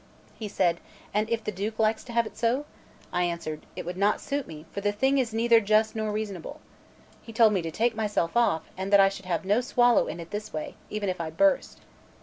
He said: "And if the Duke likes to have it so?" I answered: "It would not suit me, for the thing is neither just nor reasonable." He told me to take myself off, and that I should have no swallow it in this way, even if I burst.